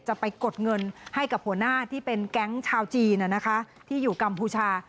ไปกดเงินให้กับหัวหน้าที่เป็นแก๊งชาวจีนที่อยู่กัมพูชา